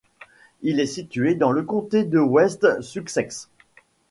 Il est situé dans le comté de West Sussex.